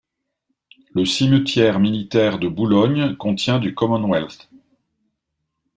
Le cimetière militaire de Boulogne contient du Commonwealth.